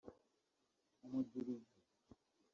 Umudirigi